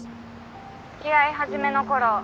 付き合い始めのころ